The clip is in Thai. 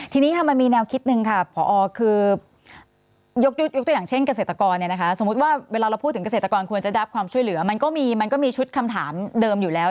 ทีนี้ค่ะมันมีแนวคิดหนึ่งค่ะผอคือยกตัวอย่างเช่นเกษตรกรเนี่ยนะคะสมมุติว่าเวลาเราพูดถึงเกษตรกรควรจะได้รับความช่วยเหลือมันก็มีมันก็มีชุดคำถามเดิมอยู่แล้ว